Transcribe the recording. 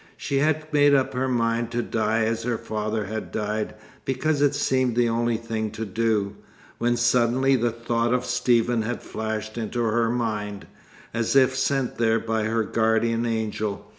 She had made up her mind to die as her father had died, because it seemed the only thing to do, when suddenly the thought of Stephen had flashed into her mind, as if sent there by her guardian angel.